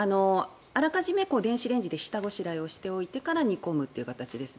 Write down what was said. あらかじめ電子レンジで下ごしらえをしておいてから煮込むという形です。